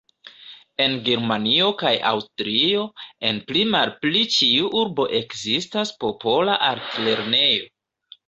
En Germanio kaj Aŭstrio, en pli-malpli ĉiu urbo ekzistas popola altlernejo.